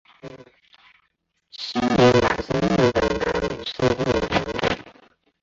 星野满是日本的女性艺人。